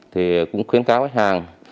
thì cũng khuyến cáo khách hàng